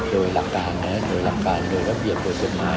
โดยหลักการโดยรับเกียรติโดยเซ็นต์มาย